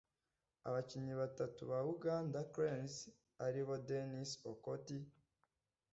Abakinnyi batatu ba Uganda Cranes aribo Denis Okot